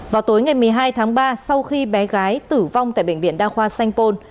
vào tối ngày một mươi hai tháng ba sau khi bé gái tử vong tại bệnh viện đa khoa sanh pôn